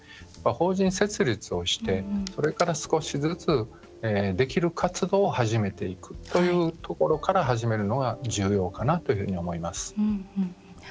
法人設立をしてそれから少しずつできる活動を始めていくというところから始めるのが重要かなというふうに思います。